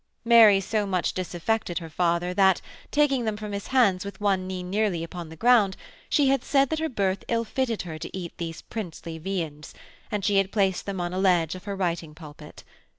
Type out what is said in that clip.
Mary so much disaffected her father that, taking them from his hands with one knee nearly upon the ground, she had said that her birth ill fitted her to eat these princely viands, and she had placed them on a ledge of her writing pulpit.